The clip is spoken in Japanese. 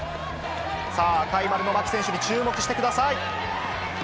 さあ、赤い丸の牧選手に注目してください。